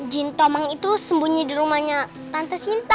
jin tomang itu sembunyi di rumahnya tante sinta